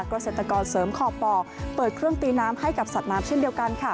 เกษตรกรเสริมขอบป่อเปิดเครื่องตีน้ำให้กับสัตว์น้ำเช่นเดียวกันค่ะ